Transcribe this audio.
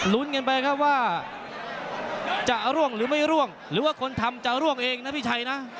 ลุ้นกันไปครับว่าจะร่วงหรือไม่ร่วงหรือว่าคนทำจะร่วงเองนะพี่ชัยนะ